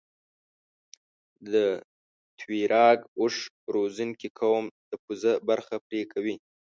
د تویراګ اوښ روزنکي قوم د پوزه برخه پرې کوي.